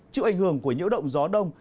trước ảnh hưởng của nhiễu động gió đông